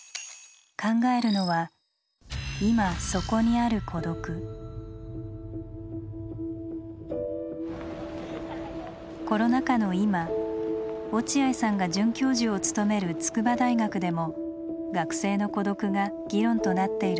考えるのはコロナ禍の今落合さんが准教授をつとめる筑波大学でも学生の孤独が議論となっているそうです。